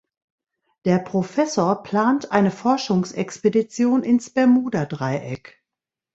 Der Professor plant eine Forschungsexpedition ins Bermuda-Dreieck.